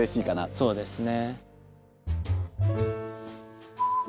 そうですね。